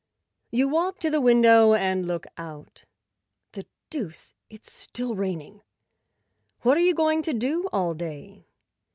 You walk to the window and look out. The deuce! It's still raining. What are you going to do all day?